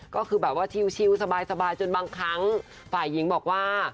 ก็คือแบบว่าชิลสบายจนบางครั้งฝ่ายหญิงบอกว่า